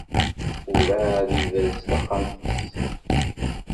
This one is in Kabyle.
Ur ɛad yebrez taxxamt-is.